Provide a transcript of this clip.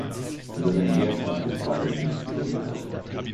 Über seine Herkunft ist weiter nichts überliefert.